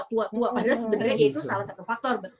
padahal sebenarnya itu salah satu faktor